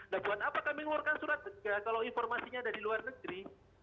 dan buat apa kami meluarkan surat tegah kalau informasinya ada di luar negeri